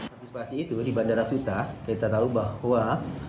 antisipasi itu di bandara suta kita tahu bahwa